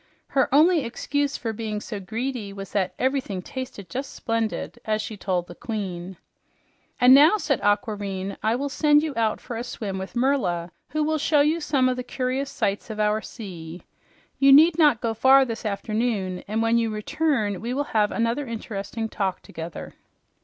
Her only excuse for being so greedy was that "ev'rything tasted just splendid!" as she told the queen. "And now," said Aquareine, "I will send you out for a swim with Merla, who will show you some of the curious sights of our sea. You need not go far this afternoon, and when you return, we will have another interesting talk together."